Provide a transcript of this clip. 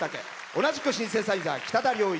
同じくシンセサイザー、北田了一。